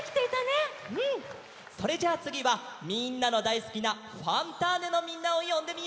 それじゃあつぎはみんなのだいすきな「ファンターネ！」のみんなをよんでみよう！